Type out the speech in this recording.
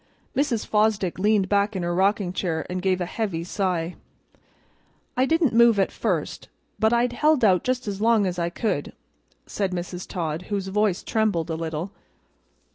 Mrs. Fosdick leaned back in her rocking chair and gave a heavy sigh. "I didn't move at first, but I'd held out just as long as I could," said Mrs. Todd, whose voice trembled a little.